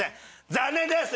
残念です！